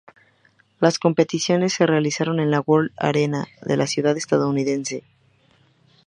Las competiciones se realizaron en la World Arena de la ciudad estadounidense.